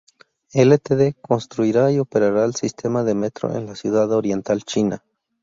Ltd construirá y operará el sistema de metro en la ciudad oriental china.